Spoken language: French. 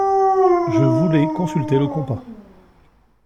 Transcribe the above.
Je voulais consulter le compas.